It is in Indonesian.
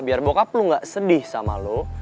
biar bokap lo gak sedih sama lo